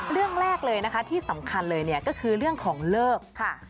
เรื่องแรกเลยนะคะที่สำคัญเลยเนี่ยก็คือเรื่องของเลิกค่ะ